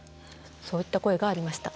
そういった声がありました。